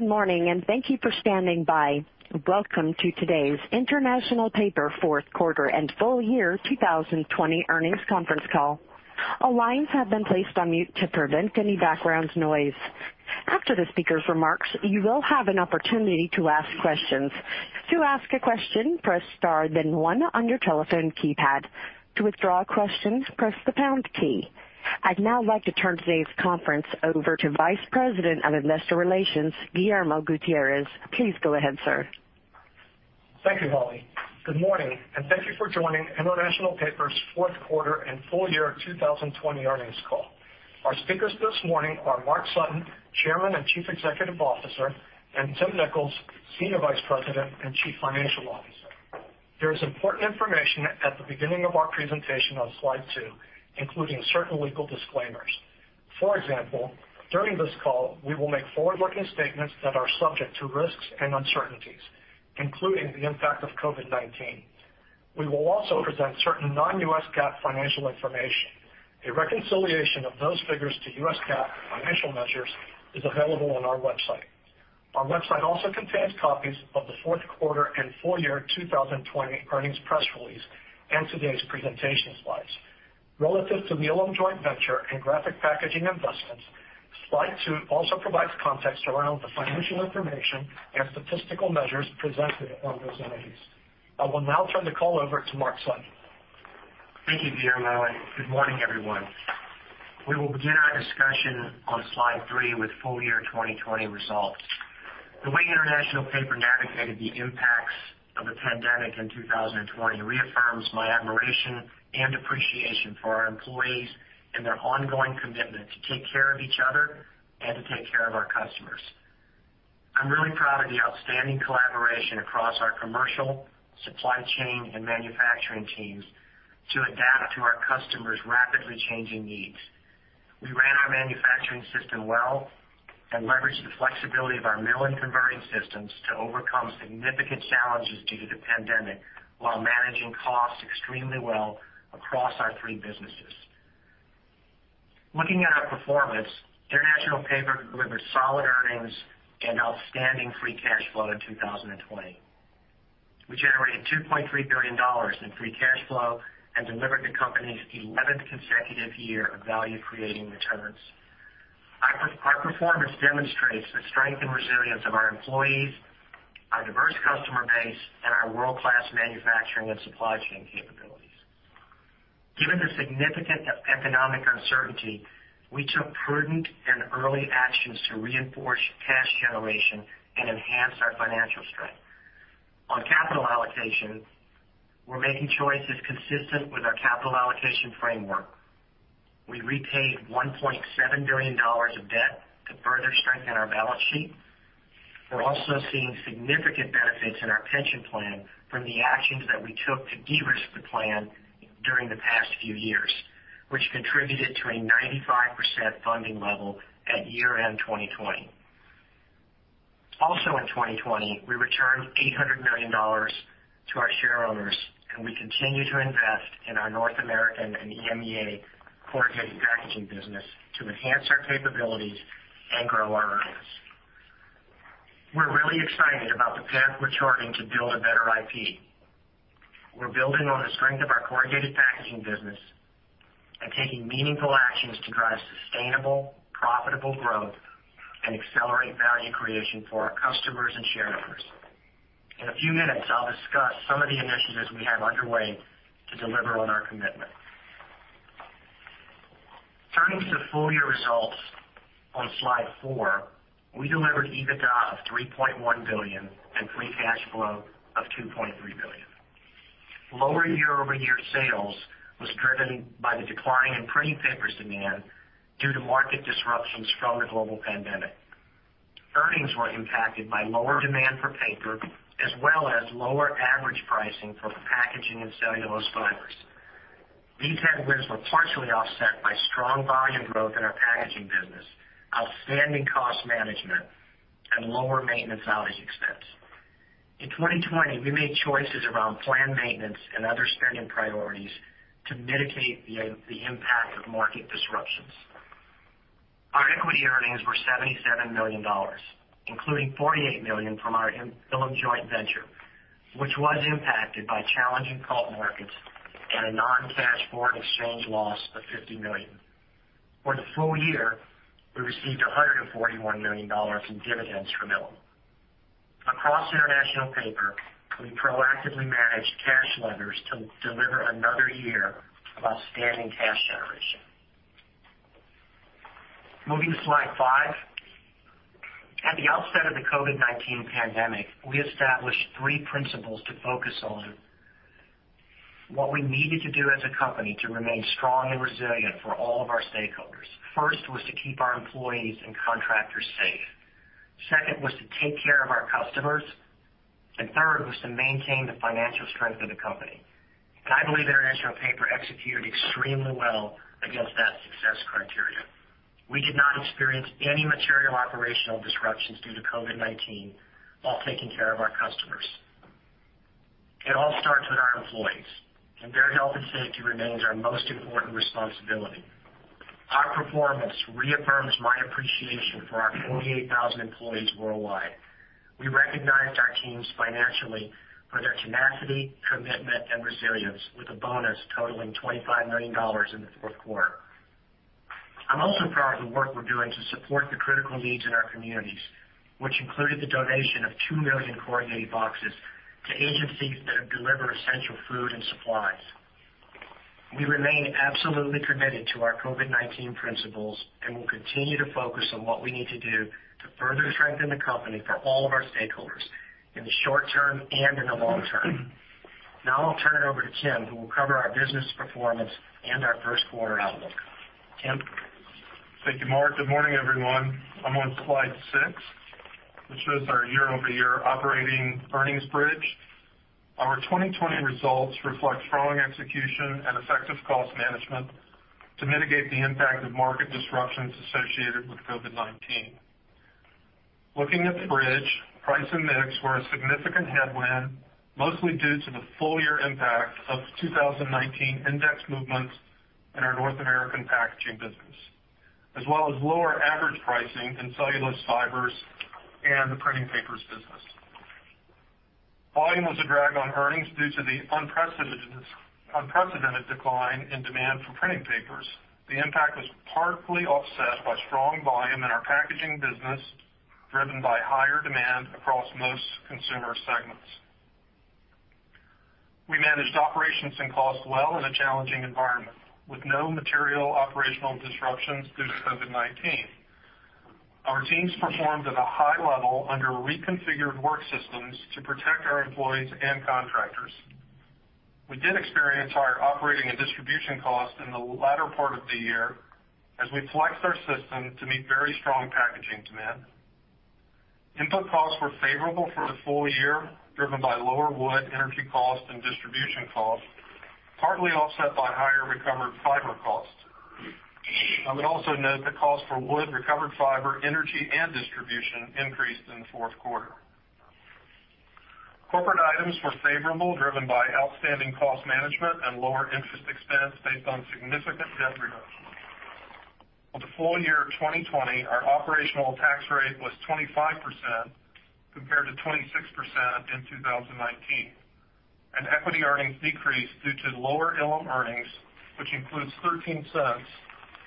Good morning, and thank you for standing by. Welcome to today's International Paper Fourth Quarter and Full Year 2020 Earnings Conference Call. All lines have been placed on mute to prevent any background noise. After the speaker's remarks, you will have an opportunity to ask questions. To ask a question, press star, then one on your telephone keypad. To withdraw a question, press the pound key. I'd now like to turn today's conference over to Vice President of Investor Relations, Guillermo Gutierrez. Please go ahead, sir. Thank you, Holly. Good morning, and thank you for joining International Paper's Fourth Quarter and Full Year 2020 Earnings Call. Our speakers this morning are Mark Sutton, Chairman and Chief Executive Officer, and Tim Nicholls, Senior Vice President and Chief Financial Officer. There is important information at the beginning of our presentation on slide two, including certain legal disclaimers. For example, during this call, we will make forward-looking statements that are subject to risks and uncertainties, including the impact of COVID-19. We will also present certain Non-US GAAP financial information. A reconciliation of those figures to US GAAP financial measures is available on our website. Our website also contains copies of the Fourth Quarter and Full Year 2020 Earnings Press Release and today's presentation slides. Relative to the Ilim joint venture and Graphic Packaging investments, slide two also provides context around the financial information and statistical measures presented on those entities. I will now turn the call over to Mark Sutton. Thank you, Guillermo. Good morning, everyone. We will begin our discussion on slide three with full year 2020 results. The way International Paper navigated the impacts of the pandemic in 2020 reaffirms my admiration and appreciation for our employees and their ongoing commitment to take care of each other and to take care of our customers. I'm really proud of the outstanding collaboration across our commercial, supply chain, and manufacturing teams to adapt to our customers' rapidly changing needs. We ran our manufacturing system well and leveraged the flexibility of our mill and converting systems to overcome significant challenges due to the pandemic while managing costs extremely well across our three businesses. Looking at our performance, International Paper delivered solid earnings and outstanding free cash flow in 2020. We generated $2.3 billion in free cash flow and delivered the company's 11th consecutive year of value-creating returns. Our performance demonstrates the strength and resilience of our employees, our diverse customer base, and our world-class manufacturing and supply chain capabilities. Given the significant economic uncertainty, we took prudent and early actions to reinforce cash generation and enhance our financial strength. On capital allocation, we're making choices consistent with our capital allocation framework. We repaid $1.7 billion of debt to further strengthen our balance sheet. We're also seeing significant benefits in our pension plan from the actions that we took to de-risk the plan during the past few years, which contributed to a 95% funding level at year-end 2020. Also, in 2020, we returned $800 million to our share owners, and we continue to invest in our North American and EMEA corrugated packaging business to enhance our capabilities and grow our earnings. We're really excited about the path we're charting to build a better IP. We're building on the strength of our corrugated packaging business and taking meaningful actions to drive sustainable, profitable growth and accelerate value creation for our customers and shareholders. In a few minutes, I'll discuss some of the initiatives we have underway to deliver on our commitment. Turning to the full year results on slide four, we delivered EBITDA of $3.1 billion and free cash flow of $2.3 billion. Lower year-over-year sales was driven by the decline in printing paper's demand due to market disruptions from the global pandemic. Earnings were impacted by lower demand for paper as well as lower average pricing for packaging and cellulose fibers. These headwinds were partially offset by strong volume growth in our packaging business, outstanding cost management, and lower maintenance outage expense. In 2020, we made choices around planned maintenance and other spending priorities to mitigate the impact of market disruptions. Our equity earnings were $77 million, including $48 million from our Ilim joint venture, which was impacted by challenging pulp markets and a non-cash foreign exchange loss of $50 million. For the full year, we received $141 million in dividends from Ilim. Across International Paper, we proactively managed cash levers to deliver another year of outstanding cash generation. Moving to slide five. At the outset of the COVID-19 pandemic, we established three principles to focus on what we needed to do as a company to remain strong and resilient for all of our stakeholders. First was to keep our employees and contractors safe. Second was to take care of our customers. And third was to maintain the financial strength of the company. And I believe International Paper executed extremely well against that success criteria. We did not experience any material operational disruptions due to COVID-19 while taking care of our customers. It all starts with our employees, and their health and safety remains our most important responsibility. Our performance reaffirms my appreciation for our 48,000 employees worldwide. We recognized our teams financially for their tenacity, commitment, and resilience, with a bonus totaling $25 million in the fourth quarter. I'm also proud of the work we're doing to support the critical needs in our communities, which included the donation of 2 million corrugated boxes to agencies that have delivered essential food and supplies. We remain absolutely committed to our COVID-19 principles and will continue to focus on what we need to do to further strengthen the company for all of our stakeholders in the short term and in the long term. Now I'll turn it over to Tim, who will cover our business performance and our first quarter outlook. Tim. Thank you, Mark. Good morning, everyone. I'm on slide six, which shows our year-over-year operating earnings bridge. Our 2020 results reflect strong execution and effective cost management to mitigate the impact of market disruptions associated with COVID-19. Looking at the bridge, price and mix were a significant headwind, mostly due to the full year impact of 2019 index movements in our North American packaging business, as well as lower average pricing in cellulose fibers and the printing papers business. Volume was a drag on earnings due to the unprecedented decline in demand for printing papers. The impact was partly offset by strong volume in our packaging business, driven by higher demand across most consumer segments. We managed operations and costs well in a challenging environment, with no material operational disruptions due to COVID-19. Our teams performed at a high level under reconfigured work systems to protect our employees and contractors. We did experience higher operating and distribution costs in the latter part of the year as we flexed our system to meet very strong packaging demand. Input costs were favorable for the full year, driven by lower wood energy cost and distribution cost, partly offset by higher recovered fiber costs. I would also note the cost for wood, recovered fiber, energy, and distribution increased in the fourth quarter. Corporate items were favorable, driven by outstanding cost management and lower interest expense based on significant debt reduction. For the full year of 2020, our operational tax rate was 25% compared to 26% in 2019, and equity earnings decreased due to lower Ilim earnings, which includes $0.13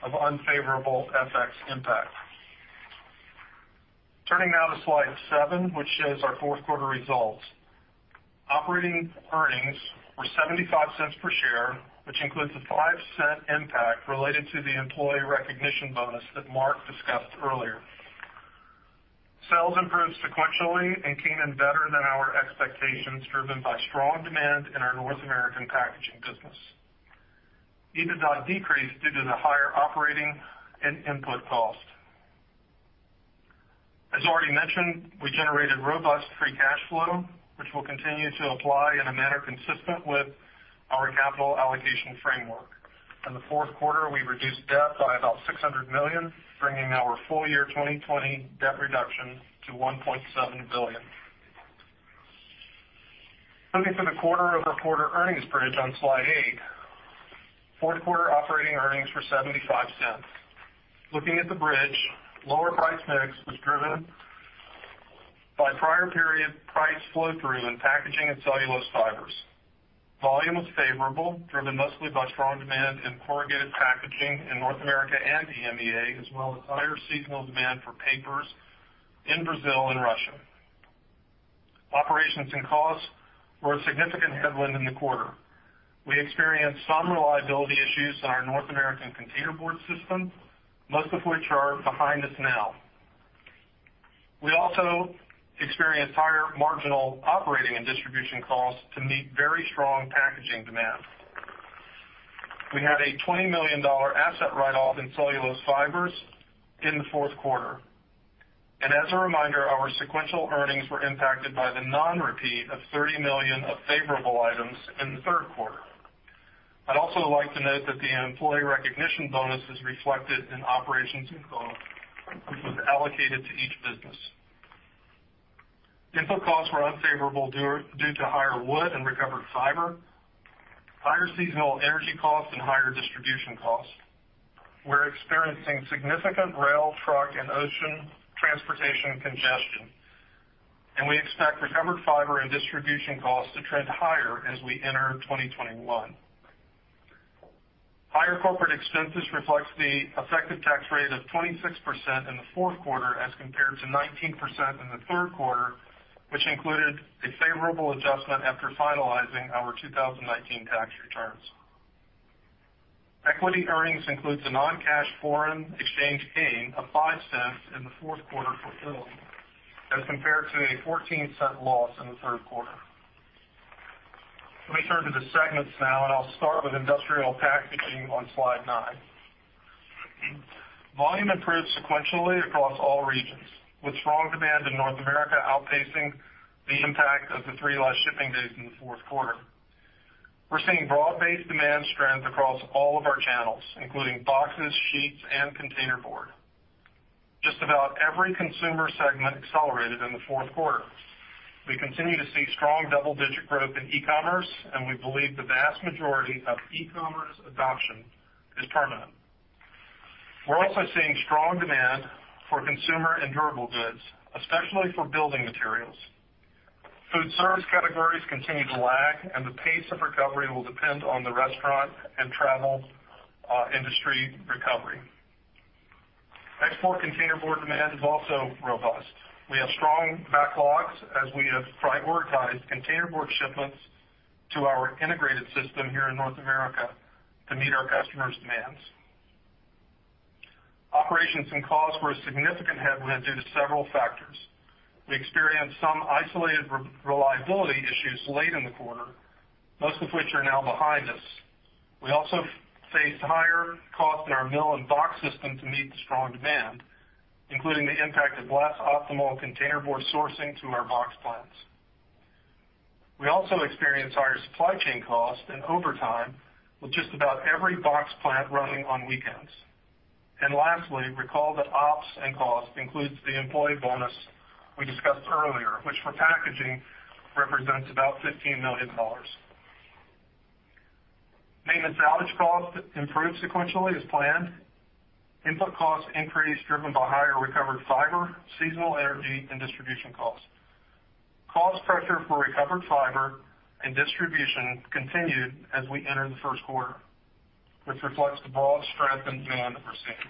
of unfavorable FX impact. Turning now to slide 7, which shows our fourth quarter results. Operating earnings were $0.75 per share, which includes a $0.05 impact related to the employee recognition bonus that Mark discussed earlier. Sales improved sequentially and came in better than our expectations, driven by strong demand in our North American packaging business. EBITDA decreased due to the higher operating and input cost. As already mentioned, we generated robust free cash flow, which will continue to apply in a manner consistent with our capital allocation framework. In the fourth quarter, we reduced debt by about $600 million, bringing our full year 2020 debt reduction to $1.7 billion. Looking for the quarter-over-quarter earnings bridge on slide eight, fourth quarter operating earnings were $0.75. Looking at the bridge, lower price mix was driven by prior period price flow through in packaging and cellulose fibers. Volume was favorable, driven mostly by strong demand in corrugated packaging in North America and EMEA, as well as higher seasonal demand for papers in Brazil and Russia. Operations and costs were a significant headwind in the quarter. We experienced some reliability issues in our North American containerboard system, most of which are behind us now. We also experienced higher marginal operating and distribution costs to meet very strong packaging demand. We had a $20 million asset write-off in cellulose fibers in the fourth quarter. And as a reminder, our sequential earnings were impacted by the non-repeat of $30 million of favorable items in the third quarter. I'd also like to note that the employee recognition bonus is reflected in operations and costs, which was allocated to each business. Input costs were unfavorable due to higher wood and recovered fiber, higher seasonal energy costs, and higher distribution costs. We're experiencing significant rail, truck, and ocean transportation congestion, and we expect recovered fiber and distribution costs to trend higher as we enter 2021. Higher corporate expenses reflects the effective tax rate of 26% in the fourth quarter as compared to 19% in the third quarter, which included a favorable adjustment after finalizing our 2019 tax returns. Equity earnings include the non-cash foreign exchange gain of $0.05 in the fourth quarter for Ilim as compared to a $0.14 loss in the third quarter. Let me turn to the segments now, and I'll start with industrial packaging on slide nine. Volume improved sequentially across all regions, with strong demand in North America outpacing the impact of the three-day shipping days in the fourth quarter. We're seeing broad-based demand strength across all of our channels, including boxes, sheets, and containerboard. Just about every consumer segment accelerated in the fourth quarter. We continue to see strong double-digit growth in e-commerce, and we believe the vast majority of e-commerce adoption is permanent. We're also seeing strong demand for consumer and durable goods, especially for building materials. Food service categories continue to lag, and the pace of recovery will depend on the restaurant and travel industry recovery. Export containerboard demand is also robust. We have strong backlogs as we have prioritized containerboard shipments to our integrated system here in North America to meet our customers' demands. Operations and costs were a significant headwind due to several factors. We experienced some isolated reliability issues late in the quarter, most of which are now behind us. We also faced higher costs in our mill and box system to meet the strong demand, including the impact of less optimal containerboard sourcing to our box plants. We also experienced higher supply chain costs and overtime with just about every box plant running on weekends. And lastly, recall that ops and costs include the employee bonus we discussed earlier, which for packaging represents about $15 million. Maintenance outage costs improved sequentially as planned. Input costs increased driven by higher recovered fiber, seasonal energy, and distribution costs. Cost pressure for recovered fiber and distribution continued as we entered the first quarter, which reflects the broad strength and demand that we're seeing.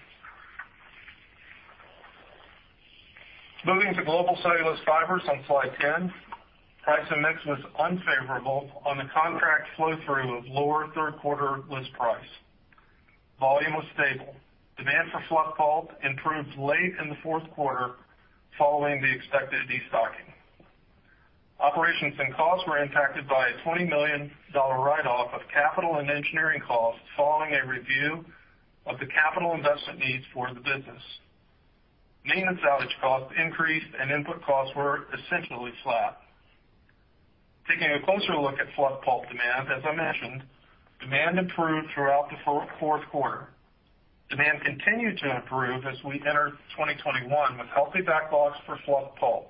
Moving to global cellulose fibers on slide 10, price and mix was unfavorable on the contract flow through of lower third quarter list price. Volume was stable. Demand for fluff pulp improved late in the fourth quarter following the expected destocking. Operations and costs were impacted by a $20 million write-off of capital and engineering costs following a review of the capital investment needs for the business. Maintenance outage costs increased, and input costs were essentially flat. Taking a closer look at fluff pulp demand, as I mentioned, demand improved throughout the fourth quarter. Demand continued to improve as we entered 2021 with healthy backlogs for fluff pulp.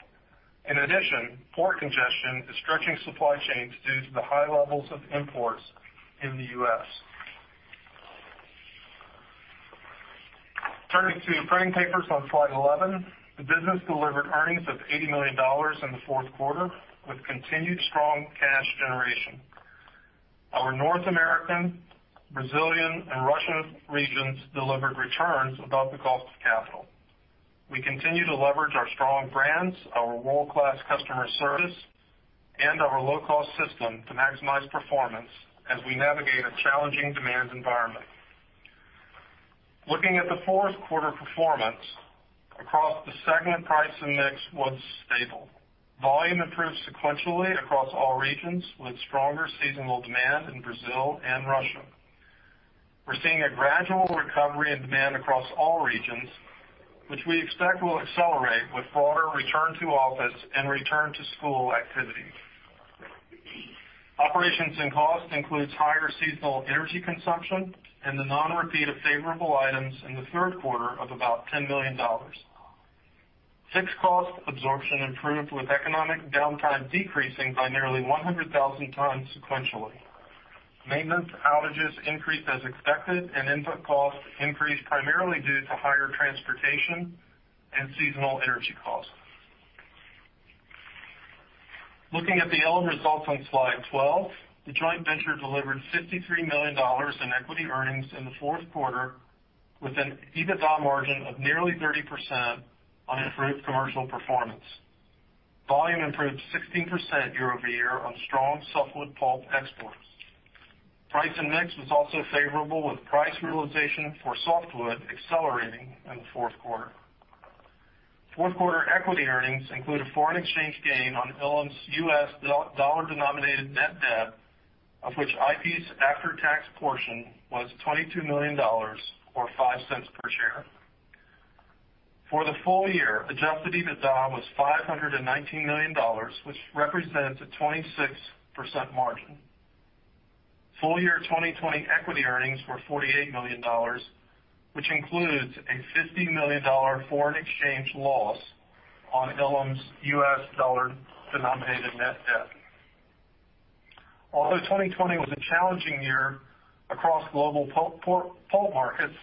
In addition, port congestion is stretching supply chains due to the high levels of imports in the U.S. Turning to printing papers on slide 11, the business delivered earnings of $80 million in the fourth quarter with continued strong cash generation. Our North American, Brazilian, and Russian regions delivered returns above the cost of capital. We continue to leverage our strong brands, our world-class customer service, and our low-cost system to maximize performance as we navigate a challenging demand environment. Looking at the fourth quarter performance across the segment, price and mix was stable. Volume improved sequentially across all regions with stronger seasonal demand in Brazil and Russia. We're seeing a gradual recovery in demand across all regions, which we expect will accelerate with broader return to office and return to school activity. Operations and costs include higher seasonal energy consumption and the non-repeat of favorable items in the third quarter of about $10 million. Fixed cost absorption improved with economic downtime decreasing by nearly 100,000 tons sequentially. Maintenance outages increased as expected, and input costs increased primarily due to higher transportation and seasonal energy costs. Looking at the segment results on slide 12, the joint venture delivered $53 million in equity earnings in the fourth quarter with an EBITDA margin of nearly 30% on improved commercial performance. Volume improved 16% year-over-year on strong softwood pulp exports. Price and mix was also favorable, with price realization for softwood accelerating in the fourth quarter. Fourth quarter equity earnings include a foreign exchange gain on Ilim's U.S. dollar-denominated net debt, of which IP's after-tax portion was $22 million or $0.05 per share. For the full year, adjusted EBITDA was $519 million, which represents a 26% margin. Full year 2020 equity earnings were $48 million, which includes a $50 million foreign exchange loss on Ilim's U.S. dollar-denominated net debt. Although 2020 was a challenging year across global pulp markets,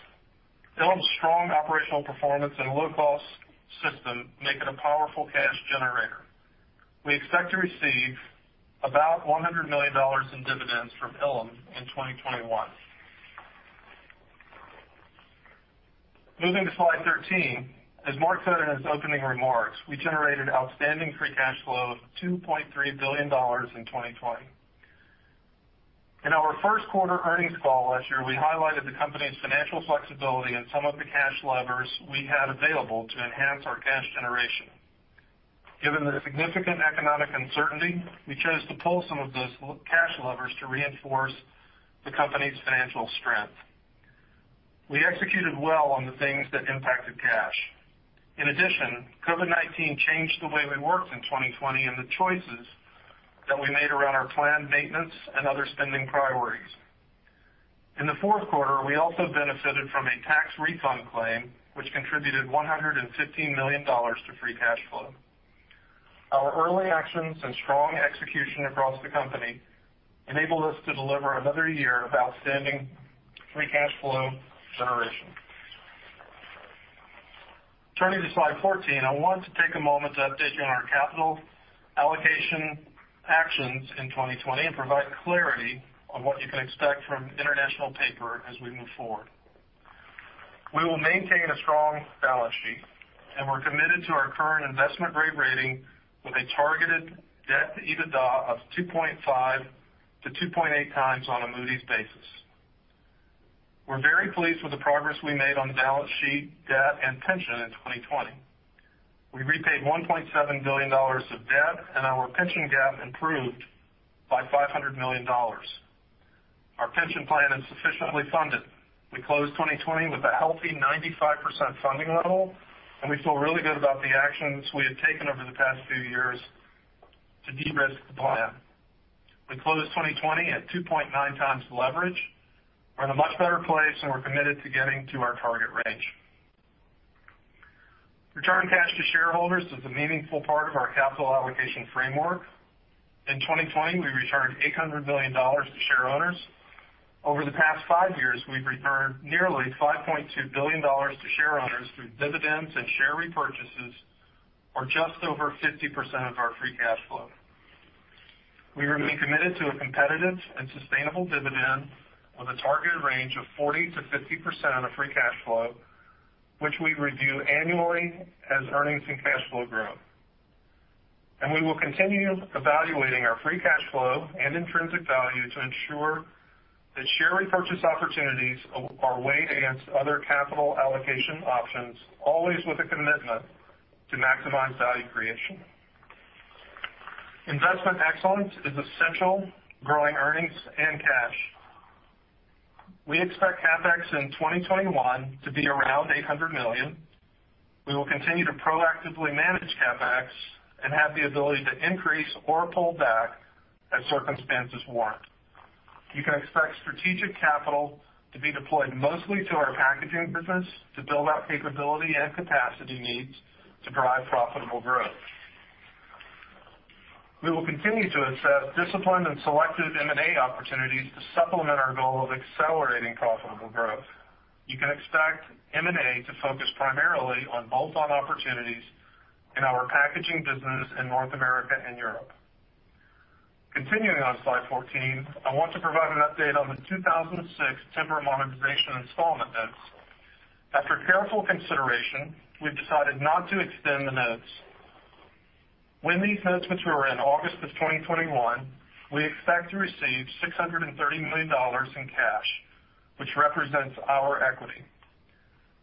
Ilim's strong operational performance and low-cost system make it a powerful cash generator. We expect to receive about $100 million in dividends from Ilim in 2021. Moving to slide 13, as Mark said in his opening remarks, we generated outstanding free cash flow of $2.3 billion in 2020. In our first quarter earnings call last year, we highlighted the company's financial flexibility and some of the cash levers we had available to enhance our cash generation. Given the significant economic uncertainty, we chose to pull some of those cash levers to reinforce the company's financial strength. We executed well on the things that impacted cash. In addition, COVID-19 changed the way we worked in 2020 and the choices that we made around our planned maintenance and other spending priorities. In the fourth quarter, we also benefited from a tax refund claim, which contributed $115 million to free cash flow. Our early actions and strong execution across the company enabled us to deliver another year of outstanding free cash flow generation. Turning to slide 14, I want to take a moment to update you on our capital allocation actions in 2020 and provide clarity on what you can expect from International Paper as we move forward. We will maintain a strong balance sheet, and we're committed to our current investment-grade rating with a targeted debt-to-EBITDA of 2.5-2.8 times on a Moody's basis. We're very pleased with the progress we made on balance sheet, debt, and pension in 2020. We repaid $1.7 billion of debt, and our pension gap improved by $500 million. Our pension plan is sufficiently funded. We closed 2020 with a healthy 95% funding level, and we feel really good about the actions we have taken over the past few years to de-risk the plan. We closed 2020 at 2.9 times leverage. We're in a much better place, and we're committed to getting to our target range. Return cash to shareholders is a meaningful part of our capital allocation framework. In 2020, we returned $800 million to share owners. Over the past five years, we've returned nearly $5.2 billion to share owners through dividends and share repurchases, or just over 50% of our free cash flow. We remain committed to a competitive and sustainable dividend with a targeted range of 40%-50% of free cash flow, which we review annually as earnings and cash flow grow. And we will continue evaluating our free cash flow and intrinsic value to ensure that share repurchase opportunities are weighed against other capital allocation options, always with a commitment to maximize value creation. Investment excellence is essential, growing earnings and cash. We expect CapEx in 2021 to be around $800 million. We will continue to proactively manage CapEx and have the ability to increase or pull back as circumstances warrant. You can expect strategic capital to be deployed mostly to our packaging business to build out capability and capacity needs to drive profitable growth. We will continue to assess disciplined and selective M&A opportunities to supplement our goal of accelerating profitable growth. You can expect M&A to focus primarily on bolt-on opportunities in our packaging business in North America and Europe. Continuing on slide 14, I want to provide an update on the 2006 timber monetization installment notes. After careful consideration, we've decided not to extend the notes. When these notes mature in August of 2021, we expect to receive $630 million in cash, which represents our equity.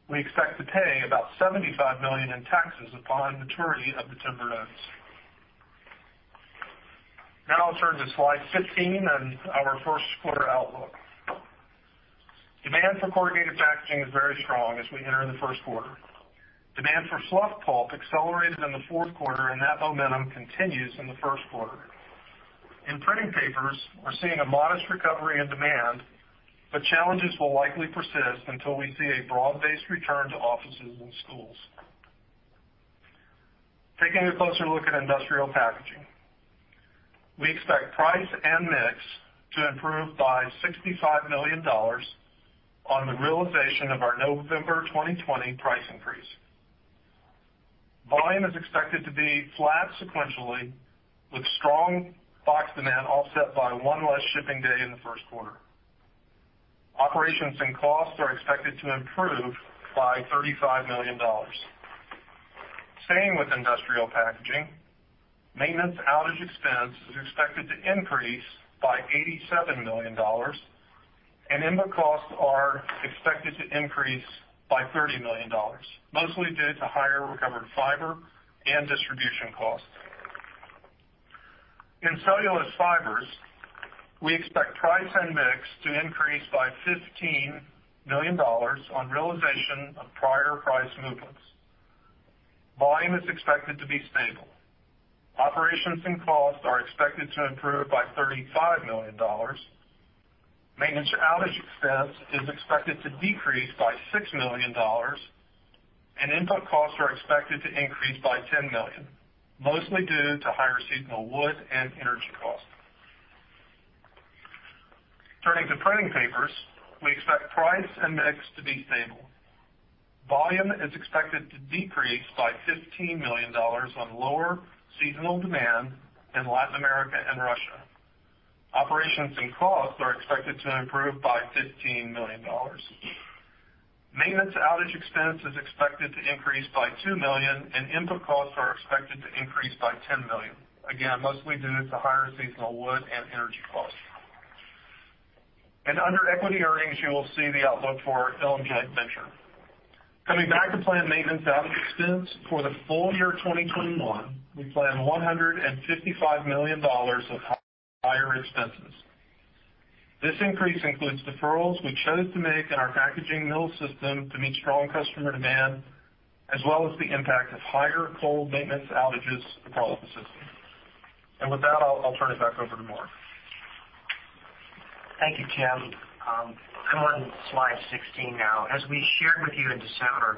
We expect to pay about $75 million in taxes upon maturity of the timber notes. Now I'll turn to slide 15 and our first quarter outlook. Demand for corrugated packaging is very strong as we enter the first quarter. Demand for fluff pulp accelerated in the fourth quarter, and that momentum continues in the first quarter. In printing papers, we're seeing a modest recovery in demand, but challenges will likely persist until we see a broad-based return to offices and schools. Taking a closer look at industrial packaging, we expect price and mix to improve by $65 million on the realization of our November 2020 price increase. Volume is expected to be flat sequentially with strong box demand offset by one less shipping day in the first quarter. Operations and costs are expected to improve by $35 million. Staying with industrial packaging, maintenance outage expense is expected to increase by $87 million, and input costs are expected to increase by $30 million, mostly due to higher recovered fiber and distribution costs. In cellulose fibers, we expect price and mix to increase by $15 million on realization of prior price movements. Volume is expected to be stable. Operations and costs are expected to improve by $35 million. Maintenance outage expense is expected to decrease by $6 million, and input costs are expected to increase by $10 million, mostly due to higher seasonal wood and energy costs. Turning to printing papers, we expect price and mix to be stable. Volume is expected to decrease by $15 million on lower we planned $155 million of higher expenses. This increase includes deferrals we chose to make in our packaging mill system to meet strong customer demand, as well as the impact of higher cold maintenance outages across the system. And with that, I'll turn it back over to Mark. Thank you, Tim. I'm on slide 16 now. As we shared with you in December,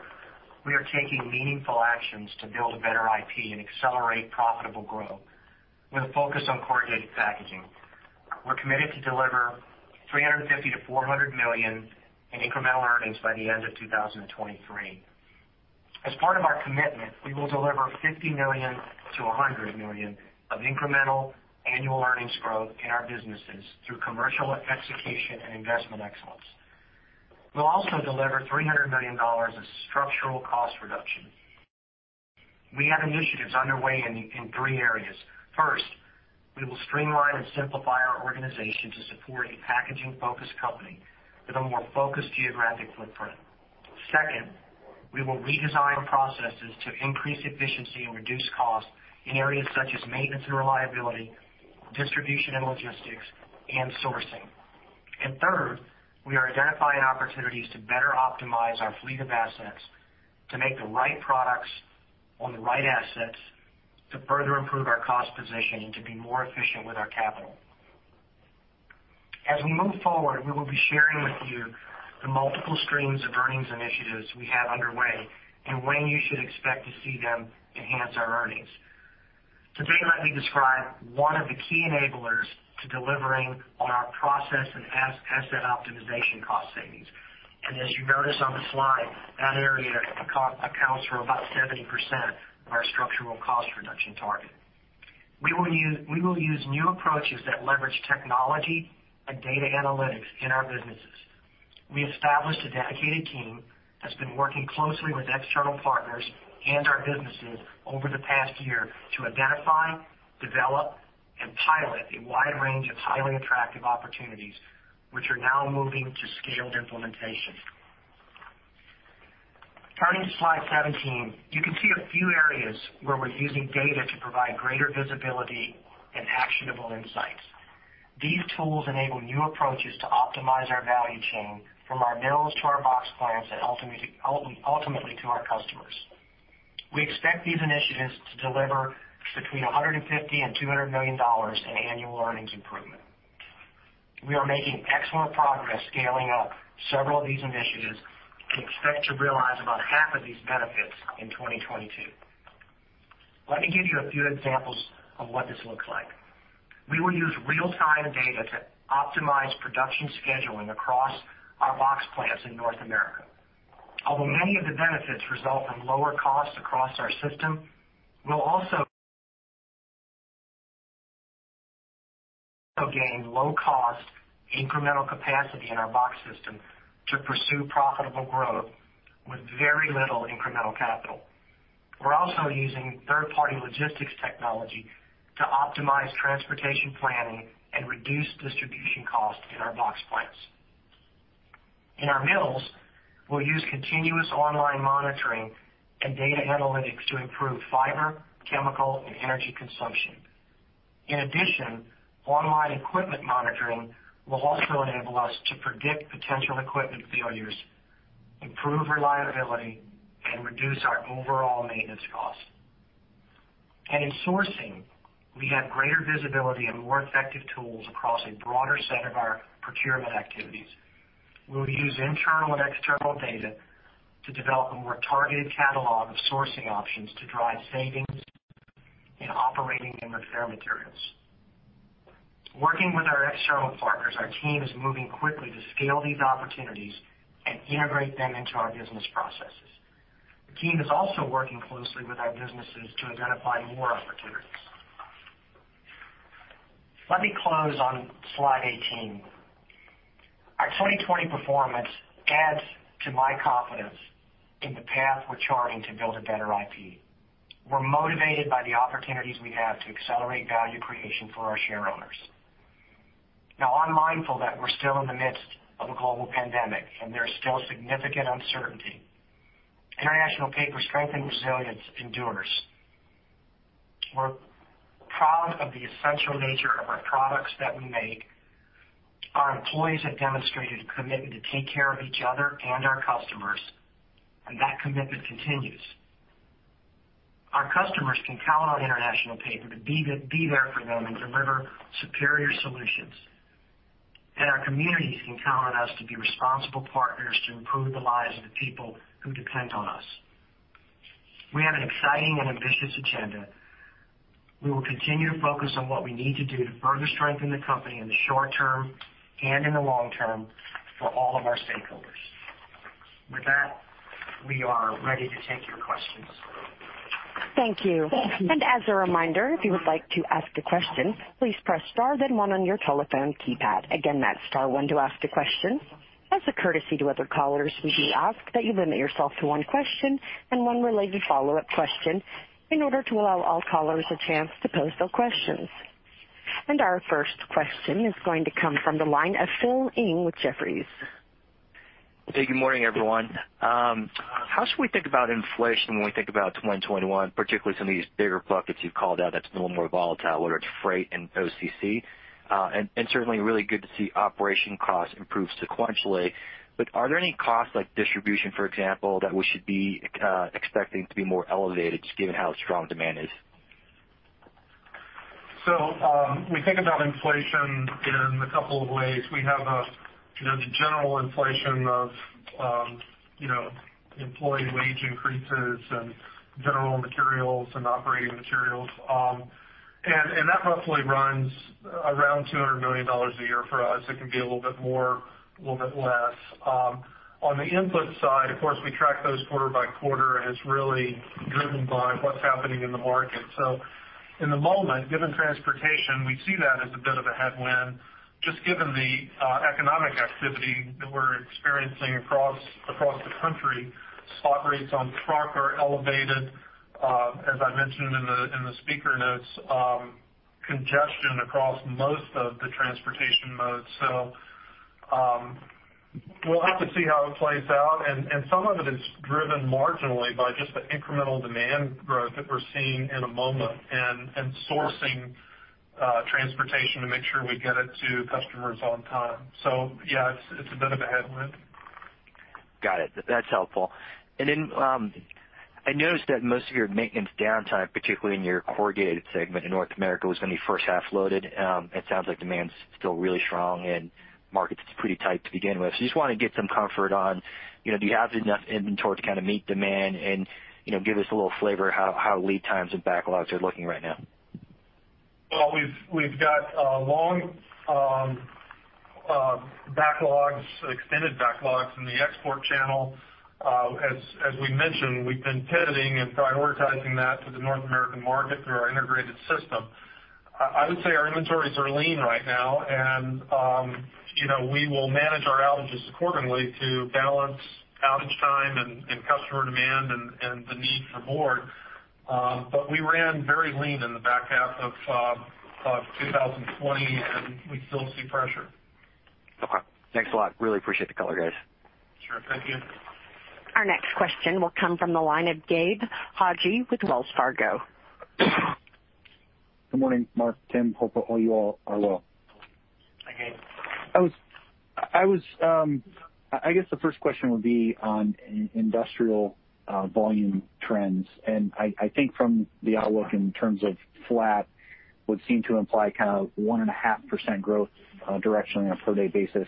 we are taking meaningful actions to build a better IP and accelerate profitable growth with a focus on corrugated packaging. We're committed to deliver $350-$400 million in incremental earnings by the end of 2023. As part of our commitment, we will deliver $50-$100 million of incremental annual earnings growth in our businesses through commercial execution and investment excellence. We'll also deliver $300 million of structural cost reduction. We have initiatives underway in three areas. First, we will streamline and simplify our organization to support a packaging-focused company with a more focused geographic footprint. Second, we will redesign processes to increase efficiency and reduce costs in areas such as maintenance and reliability, distribution and logistics, and sourcing. And third, we are identifying opportunities to better optimize our fleet of assets to make the right products on the right assets to further improve our cost position and to be more efficient with our capital. As we move forward, we will be sharing with you the multiple streams of earnings initiatives we have underway and when you should expect to see them enhance our earnings. Today, let me describe one of the key enablers to delivering on our process and asset optimization cost savings. And as you notice on the slide, that area accounts for about 70% of our structural cost reduction target. We will use new approaches that leverage technology and data analytics in our businesses. We established a dedicated team that's been working closely with external partners and our businesses over the past year to identify, develop, and pilot a wide range of highly attractive opportunities, which are now moving to scaled implementation. Turning to slide 17, you can see a few areas where we're using data to provide greater visibility and actionable insights. These tools enable new approaches to optimize our value chain from our mills to our box plants and ultimately to our customers. We expect these initiatives to deliver between $150 and $200 million in annual earnings improvement. We are making excellent progress scaling up several of these initiatives and expect to realize about half of these benefits in 2022. Let me give you a few examples of what this looks like. We will use real-time data to optimize production scheduling across our box plants in North America. Although many of the benefits result in lower costs across our system, we'll also gain low-cost incremental capacity in our box system to pursue profitable growth with very little incremental capital. We're also using third-party logistics technology to optimize transportation planning and reduce distribution costs in our box plants. In our mills, we'll use continuous online monitoring and data analytics to improve fiber, chemical, and energy consumption. In addition, online equipment monitoring will also enable us to predict potential equipment failures, improve reliability, and reduce our overall maintenance costs. In sourcing, we have greater visibility and more effective tools across a broader set of our procurement activities. We'll use internal and external data to develop a more targeted catalog of sourcing options to drive savings in operating and repair materials. Working with our external partners, our team is moving quickly to scale these opportunities and integrate them into our business processes. The team is also working closely with our businesses to identify more opportunities. Let me close on slide 18. Our 2020 performance adds to my confidence in the path we're charting to build a better IP. We're motivated by the opportunities we have to accelerate value creation for our share owners. Now, I'm mindful that we're still in the midst of a global pandemic, and there's still significant uncertainty. International Paper's strength and resilience endures. We're proud of the essential nature of our products that we make. Our employees have demonstrated a commitment to take care of each other and our customers, and that commitment continues. Our customers can count on International Paper to be there for them and deliver superior solutions. And our communities can count on us to be responsible partners to improve the lives of the people who depend on us. We have an exciting and ambitious agenda. We will continue to focus on what we need to do to further strengthen the company in the short term and in the long term for all of our stakeholders. With that, we are ready to take your questions. Thank you. And as a reminder, if you would like to ask a question, please press star then one on your telephone keypad. Again, that's star one to ask a question. As a courtesy to other callers, we do ask that you limit yourself to one question and one related follow-up question in order to allow all callers a chance to pose their questions. And our first question is going to come from the line of Phil Ng with Jefferies. Hey, good morning, everyone. How should we think about inflation when we think about 2021, particularly some of these bigger buckets you've called out that's a little more volatile, whether it's freight and OCC? And certainly, really good to see operation costs improve sequentially. But are there any costs like distribution, for example, that we should be expecting to be more elevated just given how strong demand is? So we think about inflation in a couple of ways. We have the general inflation of employee wage increases and general materials and operating materials. That roughly runs around $200 million a year for us. It can be a little bit more, a little bit less. On the input side, of course, we track those quarter by quarter, and it's really driven by what's happening in the market. So in the moment, given transportation, we see that as a bit of a headwind. Just given the economic activity that we're experiencing across the country, spot rates on truck are elevated, as I mentioned in the speaker notes. Congestion across most of the transportation modes. So we'll have to see how it plays out. And some of it is driven marginally by just the incremental demand growth that we're seeing in a moment and sourcing transportation to make sure we get it to customers on time. So yeah, it's a bit of a headwind. Got it. That's helpful. And then I noticed that most of your maintenance downtime, particularly in your corrugated segment in North America, was going to be first half loaded. It sounds like demand's still really strong and market's pretty tight to begin with. So I just want to get some comfort on, do you have enough inventory to kind of meet demand and give us a little flavor of how lead times and backlogs are looking right now? Well, we've got long backlogs, extended backlogs in the export channel. As we mentioned, we've been pivoting and prioritizing that to the North American market through our integrated system. I would say our inventories are lean right now, and we will manage our outages accordingly to balance outage time and customer demand and the need for board. But we ran very lean in the back half of 2020, and we still see pressure. Okay. Thanks a lot. Really appreciate the call, guys. Sure. Thank you. Our next question will come from the line of Gabe Hajde with Wells Fargo. Good morning, Mark, Tim. Hope you're all well. Hi, Gabe. I guess the first question would be on industrial volume trends. I think from the outlook in terms of flat, what seemed to imply kind of 1.5% growth directionally on a per-day basis.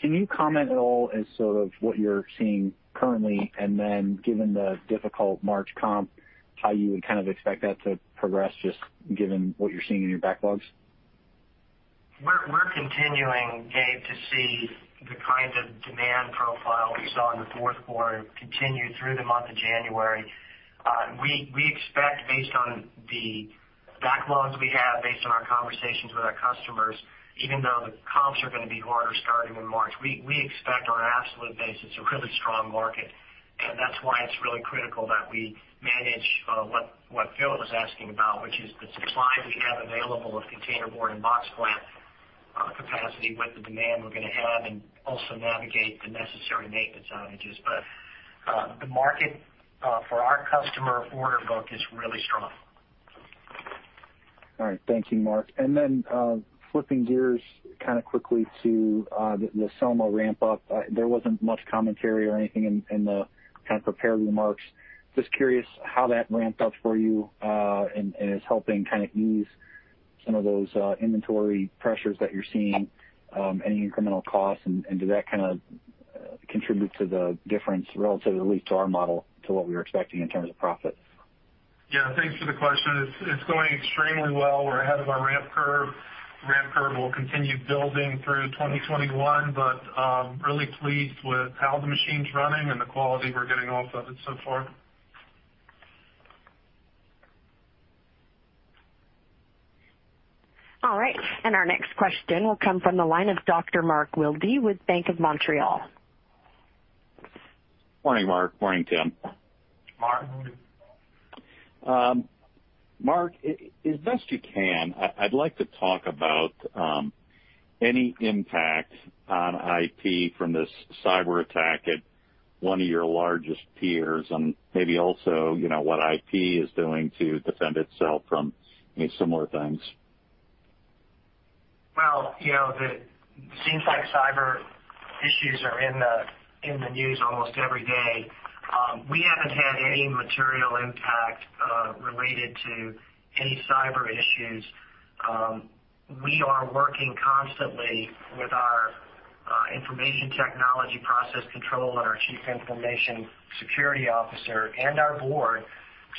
Can you comment at all as sort of what you're seeing currently, and then given the difficult March comp, how you would kind of expect that to progress just given what you're seeing in your backlogs? We're continuing, Gabe, to see the kind of demand profile we saw in the fourth quarter continue through the month of January. We expect, based on the backlogs we have, based on our conversations with our customers, even though the comps are going to be harder starting in March, we expect on an absolute basis a really strong market. And that's why it's really critical that we manage what Phil was asking about, which is the supply we have available of container board and box plant capacity with the demand we're going to have and also navigate the necessary maintenance outages. But the market for our customer order book is really strong. All right. Thank you, Mark. And then flipping gears kind of quickly to the SOMA ramp-up, there wasn't much commentary or anything in the kind of prepared remarks. Just curious how that ramped up for you and is helping kind of ease some of those inventory pressures that you're seeing, any incremental costs, and did that kind of contribute to the difference relatively, at least to our model, to what we were expecting in terms of profit? Yeah. Thanks for the question. It's going extremely well. We're ahead of our ramp curve. The ramp curve will continue building through 2021, but really pleased with how the machine's running and the quality we're getting off of it so far. All right. And our next question will come from the line of Dr. Mark Wilde with Bank of Montreal. Morning, Mark. Morning, Tim. Mark. Mark, as best you can, I'd like to talk about any impact on IP from this cyber attack at one of your largest peers and maybe also what IP is doing to defend itself from any similar things. It seems like cyber issues are in the news almost every day. We haven't had any material impact related to any cyber issues. We are working constantly with our information technology process control and our Chief Information Security Officer and our Board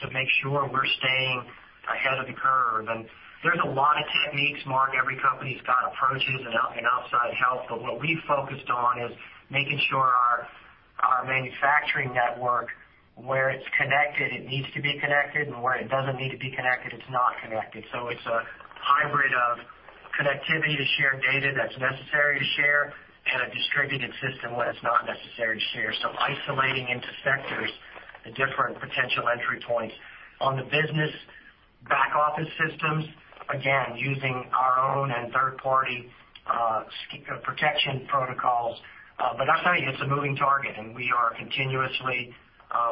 to make sure we're staying ahead of the curve. There's a lot of techniques, Mark. Every company's got approaches and outside help. What we've focused on is making sure our manufacturing network, where it's connected, it needs to be connected, and where it doesn't need to be connected, it's not connected. It's a hybrid of connectivity to share data that's necessary to share and a distributed system when it's not necessary to share. Isolating into sectors the different potential entry points. On the business back office systems, again, using our own and third-party protection protocols. But I'll tell you, it's a moving target, and we are continuously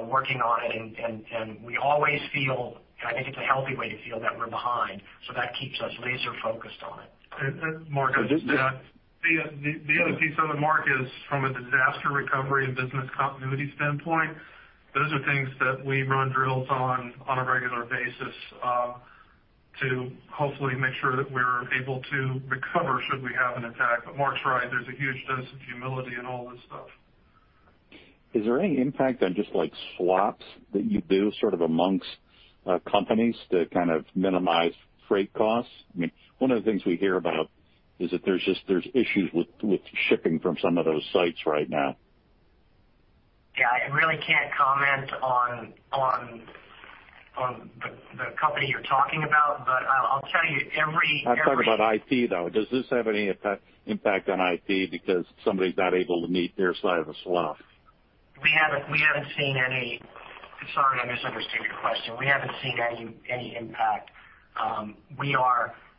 working on it. We always feel, and I think it's a healthy way to feel, that we're behind. That keeps us laser-focused on it. Mark, I'll just add, the other piece of it, Mark, is from a disaster recovery and business continuity standpoint, those are things that we run drills on on a regular basis to hopefully make sure that we're able to recover should we have an attack. But Mark's right. There's a huge dose of humility in all this stuff. Is there any impact on just swaps that you do sort of amongst companies to kind of minimize freight costs?I mean, one of the things we hear about is that there's issues with shipping from some of those sites right now. Yeah. I really can't comment on the company you're talking about, but I'll tell you, every company. I'm talking about IP, though. Does this have any impact on IP because somebody's not able to meet their side of the swap? We haven't seen any. Sorry, I misunderstood your question. We haven't seen any impact.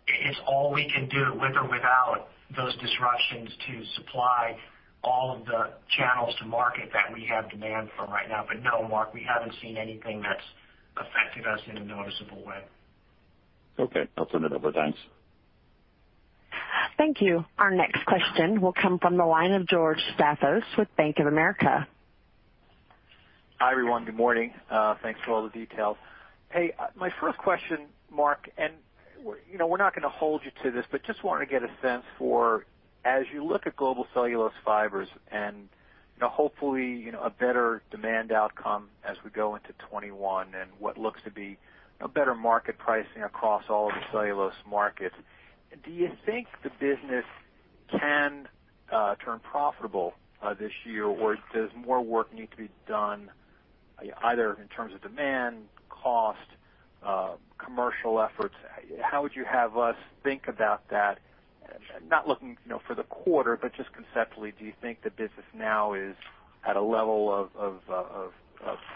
It's all we can do with or without those disruptions to supply all of the channels to market that we have demand for right now. But no, Mark, we haven't seen anything that's affected us in a noticeable way. Okay. I'll turn it over. Thanks. Thank you. Our next question will come from the line of George Staphos with Bank of America. Hi, everyone. Good morning. Thanks for all the details. Hey, my first question, Mark, and we're not going to hold you to this, but just wanted to get a sense for, as you look at global cellulose fibers and hopefully a better demand outcome as we go into 2021 and what looks to be a better market pricing across all of the cellulose markets, do you think the business can turn profitable this year, or does more work need to be done either in terms of demand, cost, commercial efforts? How would you have us think about that, not looking for the quarter, but just conceptually? Do you think the business now is at a level of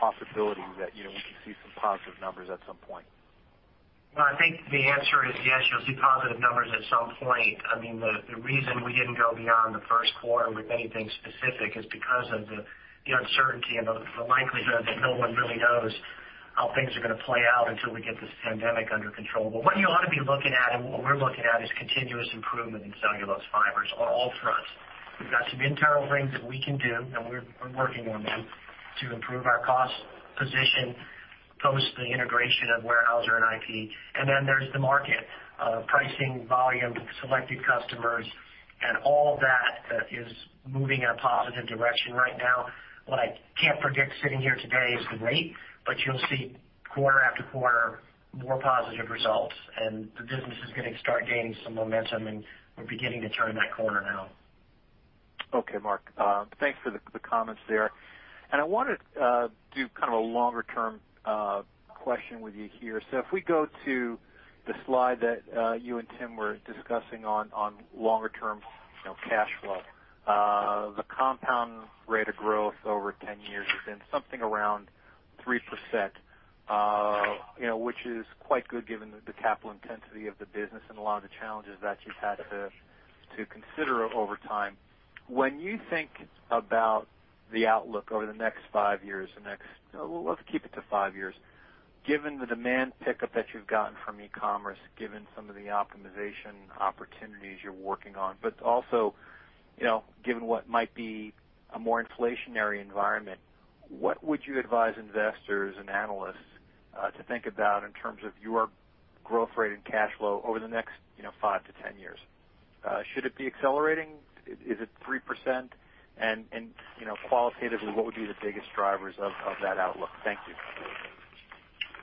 possibility that we can see some positive numbers at some point? I think the answer is yes. You'll see positive numbers at some point. I mean, the reason we didn't go beyond the first quarter with anything specific is because of the uncertainty and the likelihood that no one really knows how things are going to play out until we get this pandemic under control. But what you ought to be looking at, and what we're looking at, is continuous improvement in cellulose fibers on all fronts. We've got some internal things that we can do, and we're working on them to improve our cost position post the integration of Weyerhaeuser and IP. And then there's the market, pricing, volume, selected customers, and all of that that is moving in a positive direction right now. What I can't predict sitting here today is the rate, but you'll see quarter after quarter more positive results, and the business is going to start gaining some momentum, and we're beginning to turn that corner now. Okay, Mark. Thanks for the comments there. And I want to do kind of a longer-term question with you here. So if we go to the slide that you and Tim were discussing on longer-term cash flow, the compound rate of growth over 10 years has been something around 3%, which is quite good given the capital intensity of the business and a lot of the challenges that you've had to consider over time. When you think about the outlook over the next five years, the next, let's keep it to five years, given the demand pickup that you've gotten from e-commerce, given some of the optimization opportunities you're working on, but also given what might be a more inflationary environment, what would you advise investors and analysts to think about in terms of your growth rate and cash flow over the next 5 to 10 years? Should it be accelerating? Is it 3%? And qualitatively, what would be the biggest drivers of that outlook? Thank you.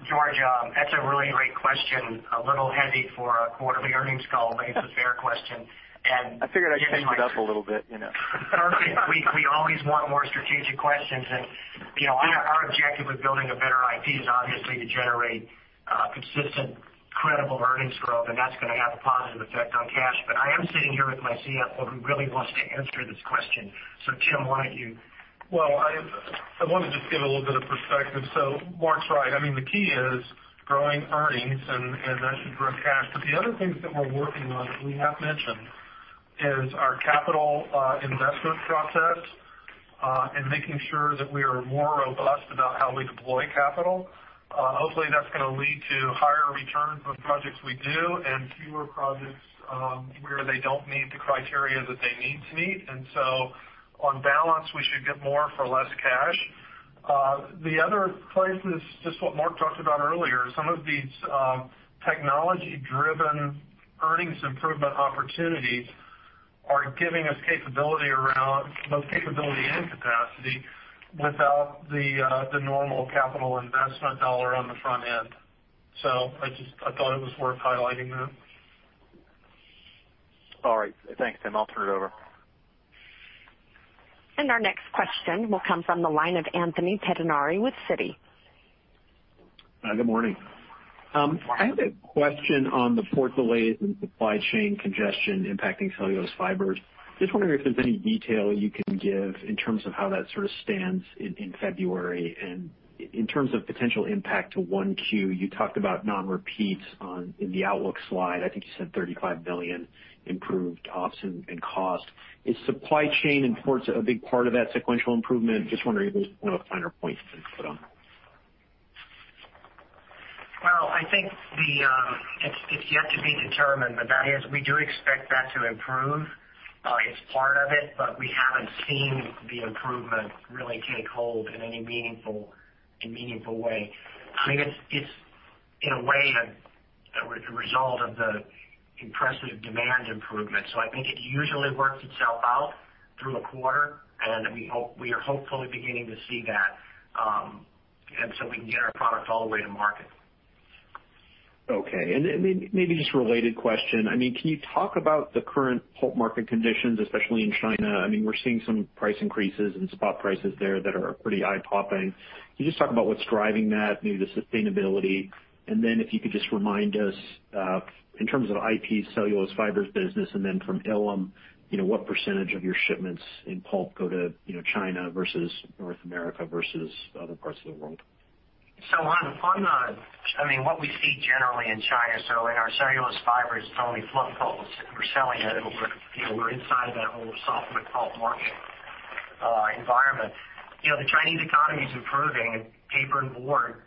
George, that's a really great question. A little heavy for a quarterly earnings call, but it's a fair question, and I figured I'd change it up a little bit. We always want more strategic questions. Our objective with building a better IP is obviously to generate consistent, credible earnings growth, and that's going to have a positive effect on cash. But I am sitting here with my CFO who really wants to answer this question. So Tim, why don't you? Well, I want to just give a little bit of perspective. So Mark's right. I mean, the key is growing earnings, and that should grow cash. But the other things that we're working on that we have mentioned is our capital investment process and making sure that we are more robust about how we deploy capital. Hopefully, that's going to lead to higher returns on projects we do and fewer projects where they don't meet the criteria that they need to meet. And so on balance, we should get more for less cash. The other place is just what Mark talked about earlier. Some of these technology-driven earnings improvement opportunities are giving us capability around both capability and capacity without the normal capital investment dollar on the front end, so I thought it was worth highlighting that. All right. Thanks, Tim. I'll turn it over, and our next question will come from the line of Anthony Pettinari with Citi. Good morning. I have a question on the port delays and supply chain congestion impacting cellulose fibers. Just wondering if there's any detail you can give in terms of how that sort of stands in February and in terms of potential impact to 1Q. You talked about non-repeats in the outlook slide. I think you said $35 million improved ops and cost. Is supply chain and ports a big part of that sequential improvement? Just wondering if there's one of the finer points to put on. Well, I think it's yet to be determined, but that is we do expect that to improve. It's part of it, but we haven't seen the improvement really take hold in any meaningful way. I mean, it's in a way a result of the impressive demand improvement. So I think it usually works itself out through a quarter, and we are hopefully beginning to see that so we can get our product all the way to market. Okay. And maybe just a related question. I mean, can you talk about the current pulp market conditions, especially in China? I mean, we're seeing some price increases and spot prices there that are pretty eye-popping. Can you just talk about what's driving that, maybe the sustainability? And then if you could just remind us in terms of IP, cellulose fibers business, and then from Ilim, what percentage of your shipments in pulp go to China versus North America versus other parts of the world? I mean, what we see generally in China, so in our cellulose fibers, it's only fluff pulp that we're selling it. We're inside that whole softwood pulp market environment. The Chinese economy is improving. Paper and board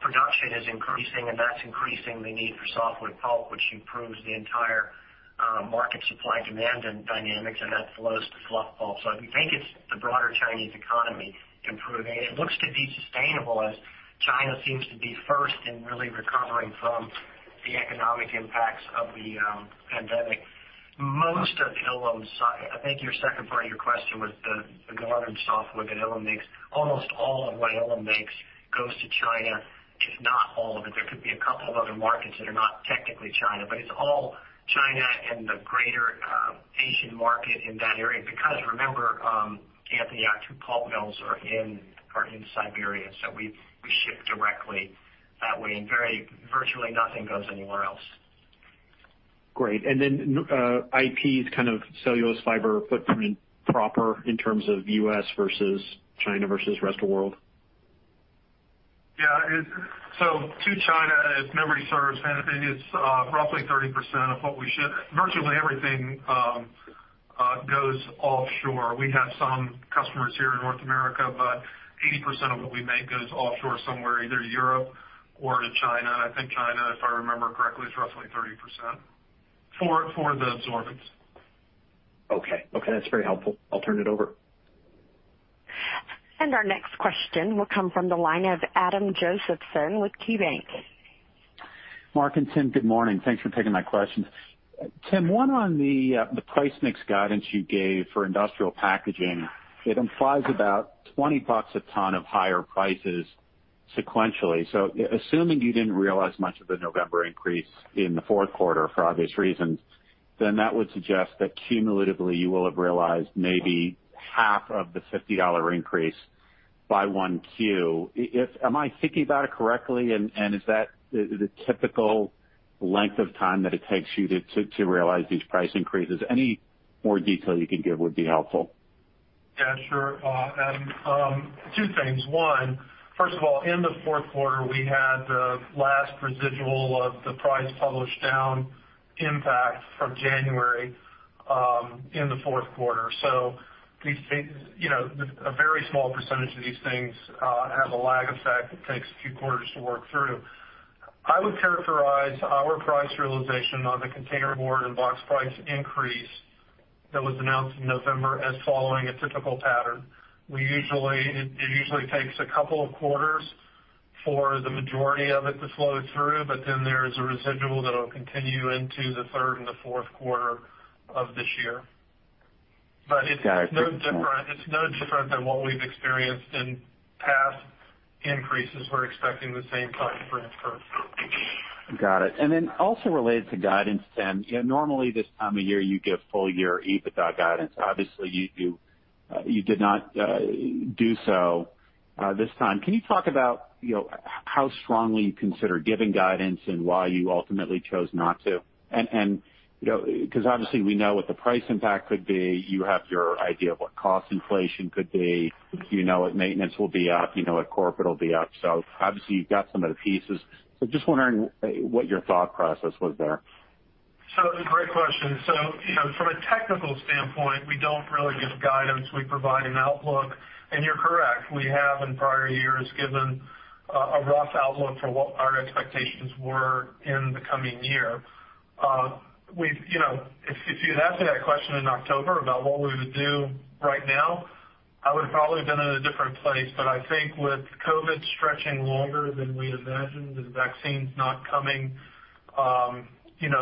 production is increasing, and that's increasing the need for softwood pulp, which improves the entire market supply-demand dynamics, and that flows to fluff pulp. So we think it's the broader Chinese economy improving. It looks to be sustainable as China seems to be first in really recovering from the economic impacts of the pandemic. Most of Ilim's, I think your second part of your question was the northern softwood that Ilim makes. Almost all of what Ilim makes goes to China, if not all of it. There could be a couple of other markets that are not technically China, but it's all China and the greater Asian market in that area. Because remember, Kant and Yacht, who pulp mills are in Siberia. So we ship directly that way, and virtually nothing goes anywhere else. Great. And then IP's kind of cellulose fiber footprint proper in terms of U.S. versus China versus rest of the world? Yeah. So to China, if memory serves, it is roughly 30% of what we ship. Virtually everything goes offshore. We have some customers here in North America, but 80% of what we make goes offshore somewhere, either to Europe or to China. I think China, if I remember correctly, is roughly 30% for the absorbent. Okay. Okay. That's very helpful. I'll turn it over. Our next question will come from the line of Adam Josephson with KeyBank. Mark and Tim, good morning. Thanks for taking my questions. Tim, one on the price mix guidance you gave for industrial packaging, it implies about $20 a ton of higher prices sequentially. So assuming you didn't realize much of the November increase in the fourth quarter for obvious reasons, then that would suggest that cumulatively you will have realized maybe half of the $50 increase by Q1. Am I thinking about it correctly, and is that the typical length of time that it takes you to realize these price increases? Any more detail you can give would be helpful. Yeah. Sure. Two things. One, first of all, in the fourth quarter, we had the last residual of the price pull-down impact from January in the fourth quarter. A very small percentage of these things have a lag effect that takes a few quarters to work through. I would characterize our price realization on the containerboard and box price increase that was announced in November as following a typical pattern. It usually takes a couple of quarters for the majority of it to flow through, but then there is a residual that will continue into the third and the fourth quarter of this year. But it's no different than what we've experienced in past increases. We're expecting the same time frame for it. Got it. And then also related to guidance, Tim, normally this time of year you give full-year EBITDA guidance. Obviously, you did not do so this time. Can you talk about how strongly you consider giving guidance and why you ultimately chose not to? And because obviously we know what the price impact could be, you have your idea of what cost inflation could be, you know what maintenance will be up, you know what corporate will be up. So obviously you've got some of the pieces. So just wondering what your thought process was there. So great question. So from a technical standpoint, we don't really give guidance. We provide an outlook. And you're correct. We have in prior years given a rough outlook for what our expectations were in the coming year. If you'd asked me that question in October about what we would do right now, I would have probably been in a different place. But I think with COVID stretching longer than we imagined, the vaccines not coming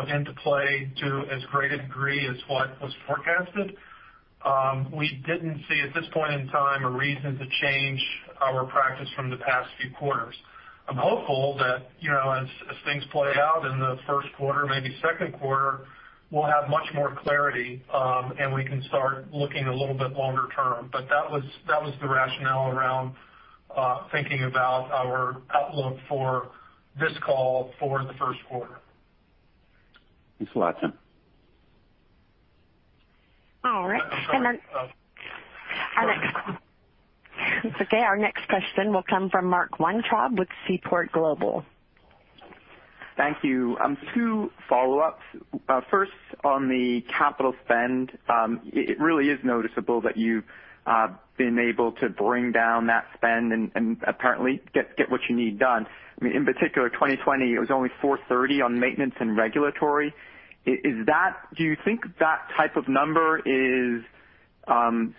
into play to as great a degree as what was forecasted, we didn't see at this point in time a reason to change our practice from the past few quarters. I'm hopeful that as things play out in the first quarter, maybe second quarter, we'll have much more clarity and we can start looking a little bit longer term. But that was the rationale around thinking about our outlook for this call for the first quarter. Thanks a lot, Tim. All right. And then our next question will come from Mark Weintraub with Seaport Global. Thank you. Two follow-ups. First, on the capital spend, it really is noticeable that you've been able to bring down that spend and apparently get what you need done. I mean, in particular, 2020, it was only 430 on maintenance and regulatory. Do you think that type of number is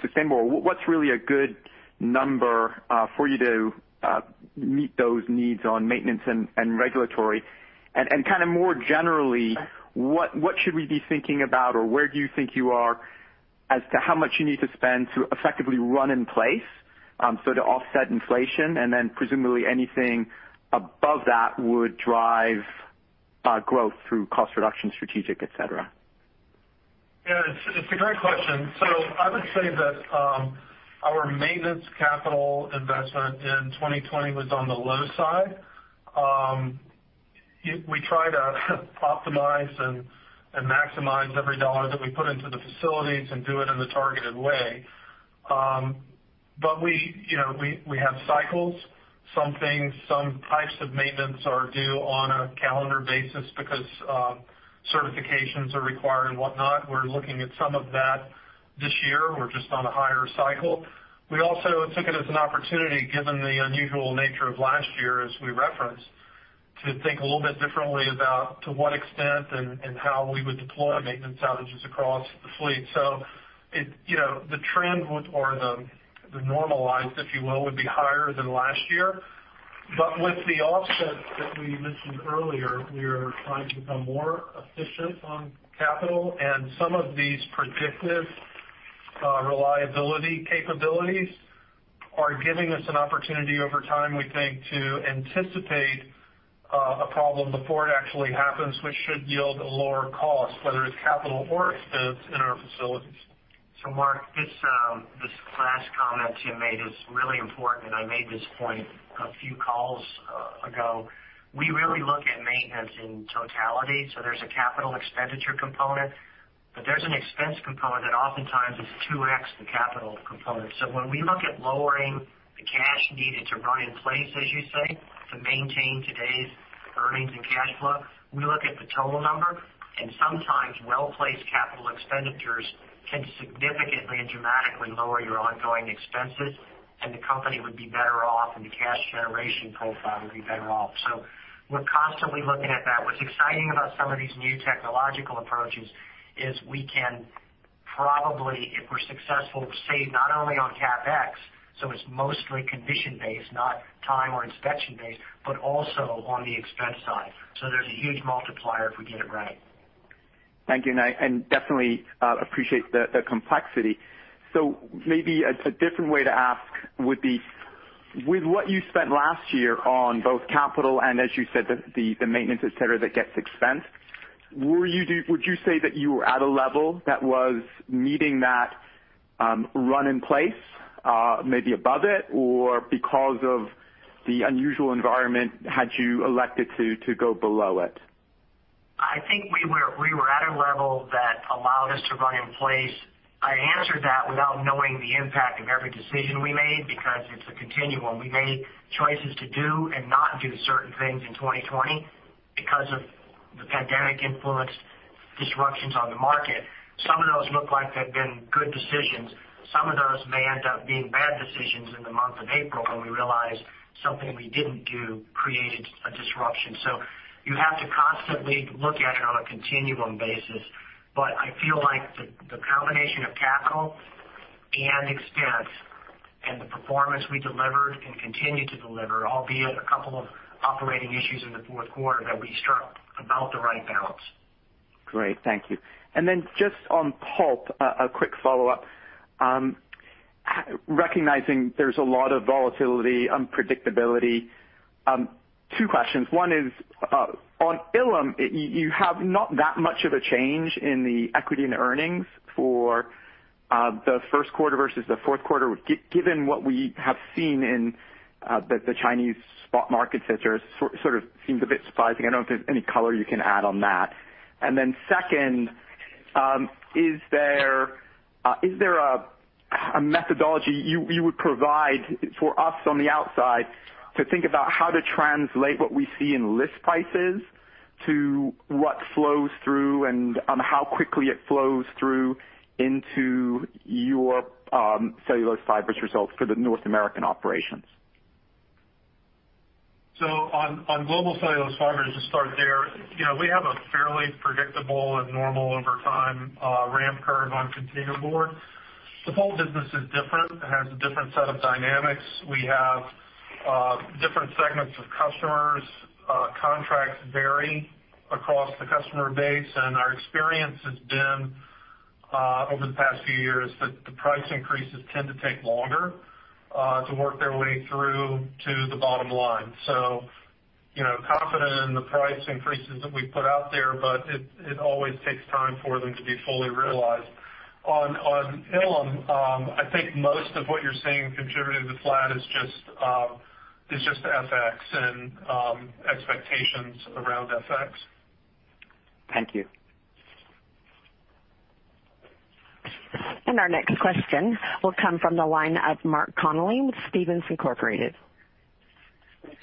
sustainable? What's really a good number for you to meet those needs on maintenance and regulatory? And kind of more generally, what should we be thinking about or where do you think you are as to how much you need to spend to effectively run in place so to offset inflation? And then presumably anything above that would drive growth through cost reduction, strategic, etc. Yeah. It's a great question. So I would say that our maintenance capital investment in 2020 was on the low side. We try to optimize and maximize every dollar that we put into the facilities and do it in a targeted way. But we have cycles. Some types of maintenance are due on a calendar basis because certifications are required and whatnot. We're looking at some of that this year. We're just on a higher cycle. We also took it as an opportunity, given the unusual nature of last year, as we referenced, to think a little bit differently about to what extent and how we would deploy maintenance outages across the fleet. So the trend or the normalized, if you will, would be higher than last year. But with the offset that we mentioned earlier, we are trying to become more efficient on capital. And some of these predictive reliability capabilities are giving us an opportunity over time, we think, to anticipate a problem before it actually happens, which should yield a lower cost, whether it's capital or expense in our facilities. So Mark, this last comment you made is really important. And I made this point a few calls ago. We really look at maintenance in totality. So there's a capital expenditure component, but there's an expense component that oftentimes is 2x the capital component. So when we look at lowering the cash needed to run in place, as you say, to maintain today's earnings and cash flow, we look at the total number. And sometimes well-placed capital expenditures can significantly and dramatically lower your ongoing expenses, and the company would be better off, and the cash generation profile would be better off. So we're constantly looking at that. What's exciting about some of these new technological approaches is we can probably, if we're successful, save not only on CapEx, so it's mostly condition-based, not time or inspection-based, but also on the expense side. So there's a huge multiplier if we get it right. Thank you. And definitely appreciate the complexity. So maybe a different way to ask would be, with what you spent last year on both capital and, as you said, the maintenance, etc., that gets expensed, would you say that you were at a level that was meeting that run in place, maybe above it, or because of the unusual environment, had you elected to go below it? I think we were at a level that allowed us to run in place. I answered that without knowing the impact of every decision we made because it's a continuum. We made choices to do and not do certain things in 2020 because of the pandemic-influenced disruptions on the market. Some of those look like they've been good decisions. Some of those may end up being bad decisions in the month of April when we realized something we didn't do created a disruption. So you have to constantly look at it on a continuum basis. But I feel like the combination of capital and expense and the performance we delivered and continue to deliver, albeit a couple of operating issues in the fourth quarter, that we struck about the right balance. Great. Thank you. And then just on pulp, a quick follow-up. Recognizing there's a lot of volatility, unpredictability, two questions. One is, on Ilim, you have not that much of a change in the equity and earnings for the first quarter versus the fourth quarter, given what we have seen in the Chinese spot markets, etc., sort of seems a bit surprising. I don't know if there's any color you can add on that. Then second, is there a methodology you would provide for us on the outside to think about how to translate what we see in list prices to what flows through and how quickly it flows through into your cellulose fibers results for the North American operations? So on global cellulose fibers, to start there, we have a fairly predictable and normal over time ramp curve on containerboard. The pulp business is different. It has a different set of dynamics. We have different segments of customers. Contracts vary across the customer base. And our experience has been, over the past few years, that the price increases tend to take longer to work their way through to the bottom line. So confident in the price increases that we put out there, but it always takes time for them to be fully realized. On Ilim, I think most of what you're seeing contributing to the flat is just FX and expectations around FX. Thank you. Our next question will come from the line of Mark Connelly with Stephens Inc.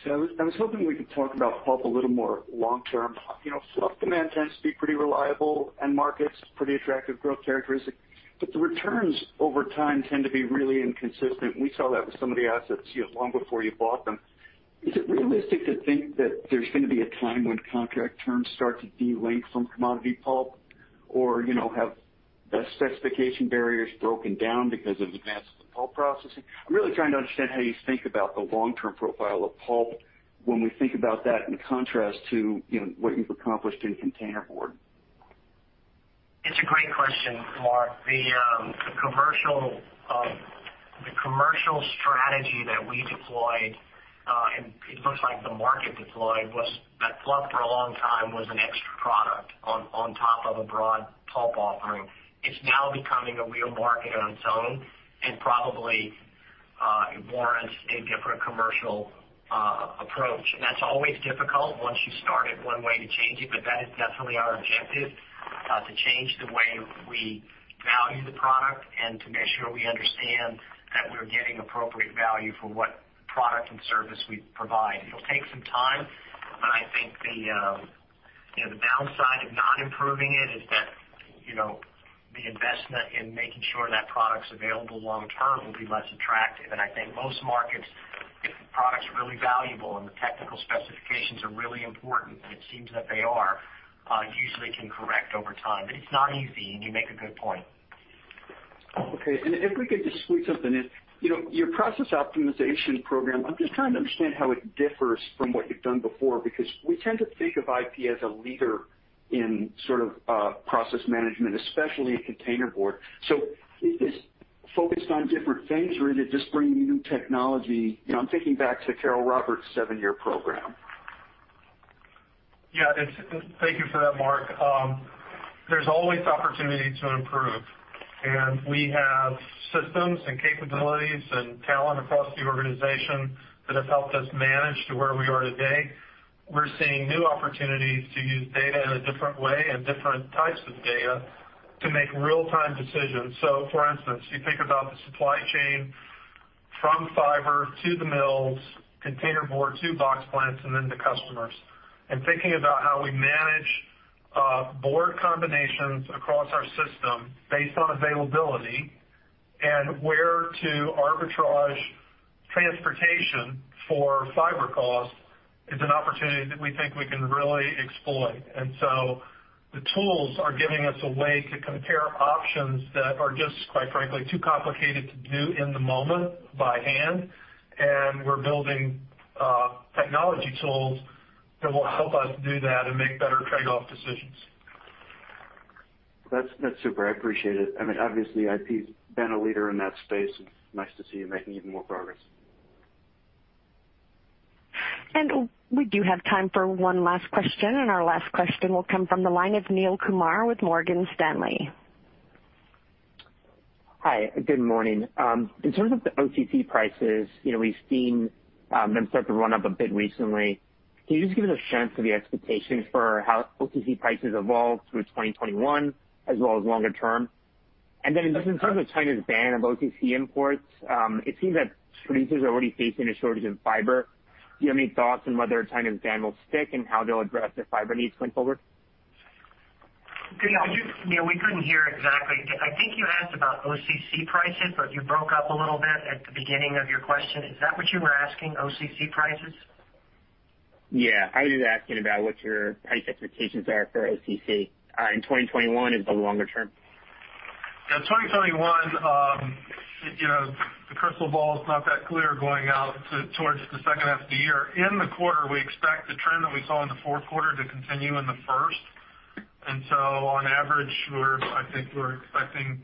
So I was hoping we could talk about pulp a little more long term. Fluff demand tends to be pretty reliable and markets pretty attractive growth characteristic. But the returns over time tend to be really inconsistent. We saw that with some of the assets long before you bought them. Is it realistic to think that there's going to be a time when contract terms start to de-link from commodity pulp or have specification barriers broken down because of advancement of pulp processing? I'm really trying to understand how you think about the long-term profile of pulp when we think about that in contrast to what you've accomplished in containerboard. It's a great question, Mark. The commercial strategy that we deployed, and it looks like the market deployed, was that fluff for a long time was an extra product on top of a broad pulp offering. It's now becoming a real market on its own and probably warrants a different commercial approach. And that's always difficult once you start it one way to change it, but that is definitely our objective, to change the way we value the product and to make sure we understand that we're getting appropriate value for what product and service we provide. It'll take some time, but I think the downside of not improving it is that the investment in making sure that product's available long term will be less attractive. I think most markets, if the product's really valuable and the technical specifications are really important, and it seems that they are, usually can correct over time. But it's not easy, and you make a good point. Okay. If we could just sweep something in, your process optimization program, I'm just trying to understand how it differs from what you've done before because we tend to think of IP as a leader in sort of process management, especially in containerboard. So is this focused on different things, or is it just bringing new technology? I'm thinking back to Carol Roberts' seven-year program. Yeah. Thank you for that, Mark. There's always opportunity to improve. We have systems and capabilities and talent across the organization that have helped us manage to where we are today. We're seeing new opportunities to use data in a different way and different types of data to make real-time decisions. So, for instance, you think about the supply chain from fiber to the mills, container board to box plants, and then the customers. And thinking about how we manage board combinations across our system based on availability and where to arbitrage transportation for fiber cost is an opportunity that we think we can really exploit. And so the tools are giving us a way to compare options that are just, quite frankly, too complicated to do in the moment by hand. And we're building technology tools that will help us do that and make better trade-off decisions. That's super. I appreciate it. I mean, obviously, IP has been a leader in that space. It's nice to see you making even more progress. And we do have time for one last question. And our last question will come from the line of Neel Kumar with Morgan Stanley. Hi. Good morning. In terms of the OCC prices, we've seen them start to run up a bit recently. Can you just give us a sense of the expectations for how OCC prices evolve through 2021, as well as longer term? And then in terms of China's ban of OCC imports, it seems that producers are already facing a shortage of fiber. Do you have any thoughts on whether China's ban will stick and how they'll address the fiber needs going forward? Yeah. We couldn't hear exactly. I think you asked about OCC prices, but you broke up a little bit at the beginning of your question. Is that what you were asking, OCC prices? Yeah. I was just asking about what your price expectations are for OCC in 2021 as the longer term. So 2021, the crystal ball is not that clear going out towards the second half of the year. In the quarter, we expect the trend that we saw in the fourth quarter to continue in the first. And so, on average, I think we're expecting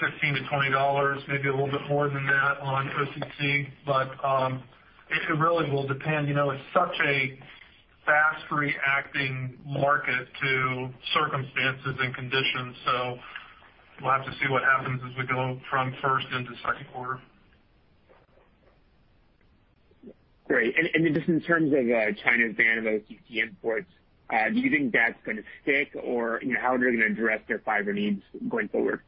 $15-$20, maybe a little bit more than that on OCC. But it really will depend. It's such a fast-reacting market to circumstances and conditions. So we'll have to see what happens as we go from first into second quarter. Great. And just in terms of China's ban of OCC imports, do you think that's going to stick, or how are they going to address their fiber needs going forward?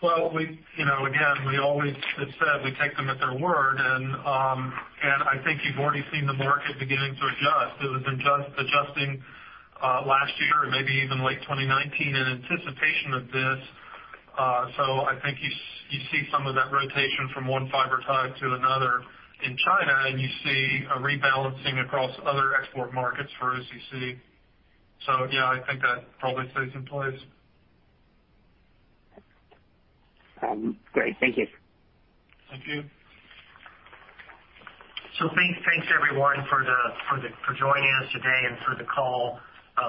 Well, again, we always, as I said, we take them at their word. And I think you've already seen the market beginning to adjust. It was adjusting last year and maybe even late 2019 in anticipation of this. So I think you see some of that rotation from one fiber type to another in China, and you see a rebalancing across other export markets for OCC. So, yeah, I think that probably stays in place. Great. Thank you. Thank you. So thanks, everyone, for joining us today and for the call,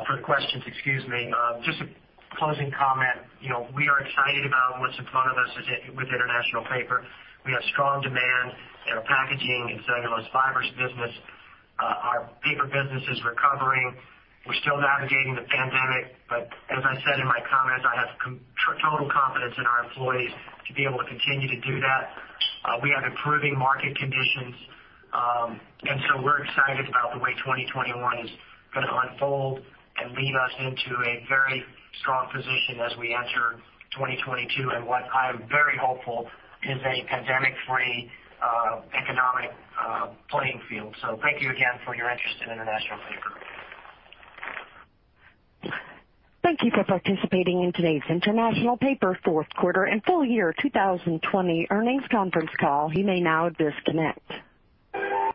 for the questions. Excuse me. Just a closing comment. We are excited about what's in front of us with International Paper. We have strong demand in our packaging and cellulose fibers business. Our paper business is recovering. We're still navigating the pandemic. But as I said in my comments, I have total confidence in our employees to be able to continue to do that. We have improving market conditions. And so we're excited about the way 2021 is going to unfold and lead us into a very strong position as we enter 2022. And what I am very hopeful is a pandemic-free economic playing field. So thank you again for your interest in International Paper. Thank you for participating in today's International Paper Fourth Quarter and Full Year 2020 Earnings Conference Call. You may now disconnect.